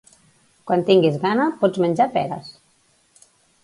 Quan tinguis gana, pots menjar peres.